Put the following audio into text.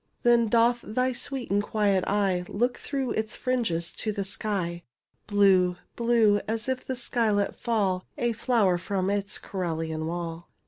Then doth thy sweet and quiet eye Look through its fringes to the sky. Blue— blue— as if that sky let fall A flower from its cerulean wall.